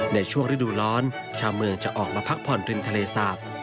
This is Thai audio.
ในช่วงฤดูร้อนชาวเมืองจะออกมาพักผ่อนริมทะเลสาป